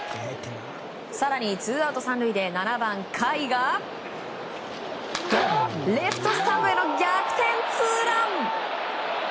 更にツーアウト３塁で７番、甲斐がレフトスタンドへの逆転ツーラン！